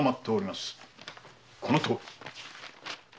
このとおり。